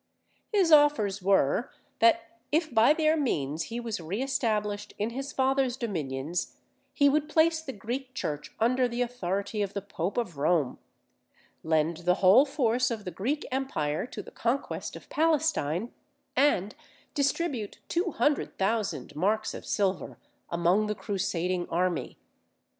His offers were, that if by their means he was re established in his father's dominions, he would place the Greek Church under the authority of the Pope of Rome, lend the whole force of the Greek empire to the conquest of Palestine, and distribute two hundred thousand marks of silver among the crusading army.